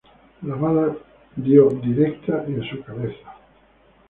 La bala dio directo en su cabeza.